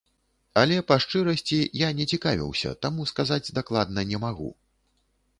Але, па шчырасці, я не цікавіўся, таму сказаць дакладна не магу.